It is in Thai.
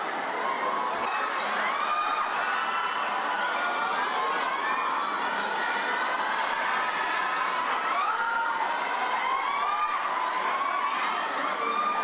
น้องน้องจะพูดหนึ่งนะครับร่างกายสูงรุ่นเสียงแรงนะครับ